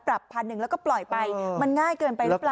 พันหนึ่งแล้วก็ปล่อยไปมันง่ายเกินไปหรือเปล่า